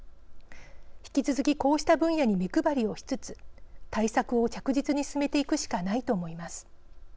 引き続きこうした分野に目配りをしつつ対策を着実に進めていくしかないと思います。